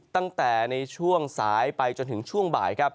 ตั้งแต่ในช่วงสายไปจนถึงช่วงบ่ายครับ